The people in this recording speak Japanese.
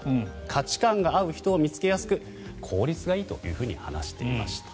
価値観が合う人を見つけやすく効率がいいと話していました。